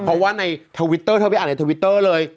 เพราะว่าในทวิตเตอร์เธอไปอ่านในทวิตเตอร์เลย